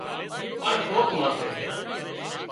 پڻ ڪوڪ ماٿي